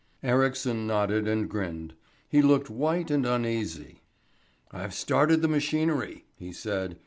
Ericsson nodded and grinned. He looked white and uneasy. "I've started the machinery," he said.